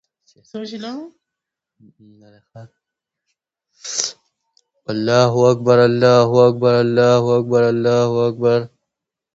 د سترګو پاکوالی د اوبو سره وساتئ.